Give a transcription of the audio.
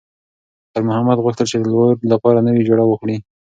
خیر محمد غوښتل چې د لور لپاره نوې جوړه واخلي.